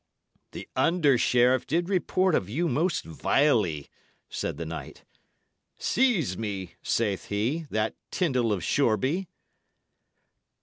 "The under sheriff did report of you most vilely," said the knight. "'Seize me,' saith he, 'that Tyndal of Shoreby.'"